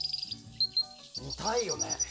見たいよね！